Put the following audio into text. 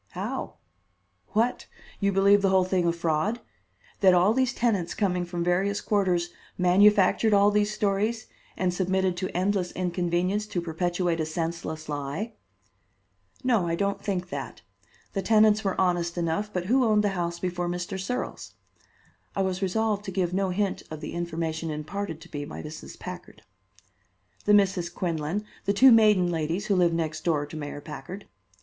"How? What? You believe the whole thing a fraud? That all these tenants coming from various quarters manufactured all these stories and submitted to endless inconvenience to perpetuate a senseless lie?" "No, I don't think that. The tenants were honest enough, but who owned the house before Mr. Searles?" I was resolved to give no hint of the information imparted to me by Mrs. Packard. "The Misses Quinlan, the two maiden ladies who live next door to Mayor Packard."